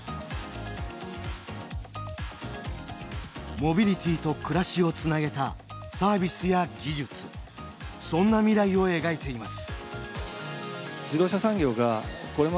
モビリティと暮らしをつなげたサービスや技術そんな未来を描いています。